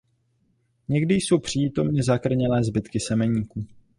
Někdy jsou přítomny zakrnělé zbytky semeníku.